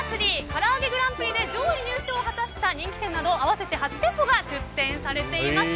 からあげグランプリで上位入賞を果たした人気店など合わせて８店舗が出店されています。